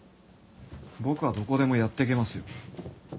僕はどこでもやっていけますよ。